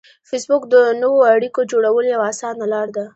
فېسبوک د نوو اړیکو جوړولو یوه اسانه لار ده